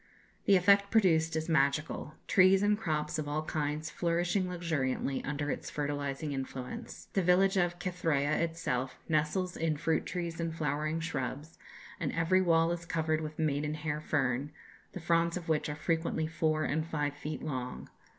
The effect produced is magical, trees and crops of all kinds flourishing luxuriantly under its fertilizing influence. The village of Kythræa itself nestles in fruit trees and flowering shrubs, and every wall is covered with maiden hair fern, the fronds of which are frequently four and five feet long.